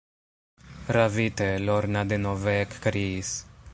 Ravite, Lorna denove ekkriis: